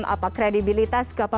apa kredibilitas keapa bapa